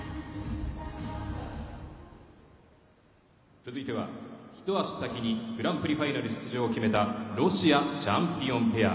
続いては一足先にグランプリファイナル出場を決めたロシアチャンピオンペア。